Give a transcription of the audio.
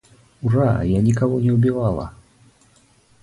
Ура, я никого не убивала!